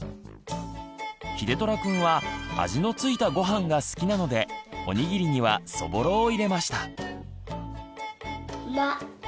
ひでとらくんは味のついたごはんが好きなのでおにぎりにはそぼろを入れました。